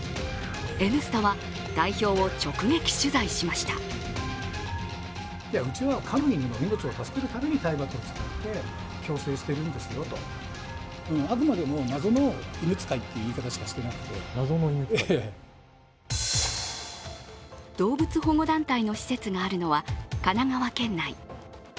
「Ｎスタ」は代表を直撃取材しました動物保護団体の施設があるのは神奈川県内。